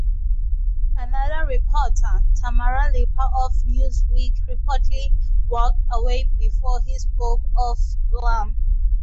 Another reporter, Tamara Lipper of "Newsweek", reportedly walked away before he spoke of Plame.